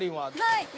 はい。